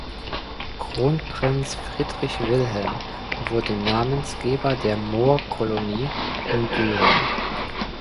Kronprinz Friedrich Wilhelm wurde Namensgeber der Moorkolonie in Düring.